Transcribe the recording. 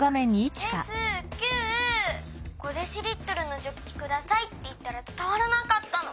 『５ｄＬのジョッキください』っていったらつたわらなかったの。